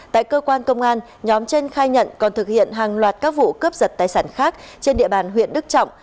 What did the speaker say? tại cơ quan công an nhóm trên khai nhận còn thực hiện hàng loạt các vụ cướp giật tài sản khác trên địa bàn huyện đức trọng